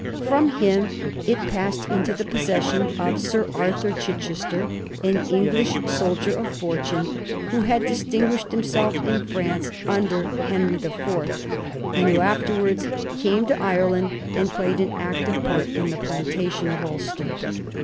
From him it passed into the possession of Sir Arthur Chichester, an English soldier of fortune, who had distinguished himself in France under Henry the Fourth, and who afterwards came to Ireland and played an active part in the plantation of Ulster.